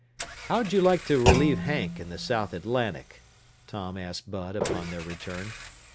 "How'd you like to relieve Hank in the South Atlantic?" Tom asked Bud upon their return.